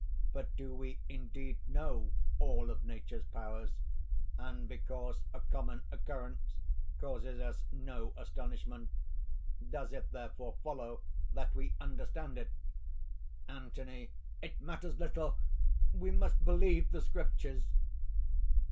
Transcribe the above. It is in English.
But do we indeed know all of Nature's powers; and because a common occurrence causes us no astonishment, does it therefore follow that we understand it." ANTHONY. "It matters little! We must believe the Scriptures!"